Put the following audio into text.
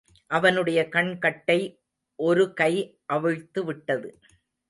அவனுடைய கண்கட்டை ஒரு கை அவிழ்த்து விட்டது.